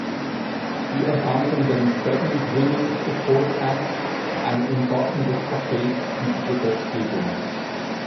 Sie erfanden den Pregnant Women Support Act, ein umfassendes Paket für die Gesetzgebung.